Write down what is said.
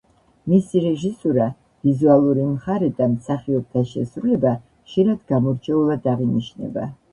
მისი რეჟისურა, ვიზუალური მხარე და მსახიობთა შესრულება ხშირად გამორჩეულად აღინიშნება.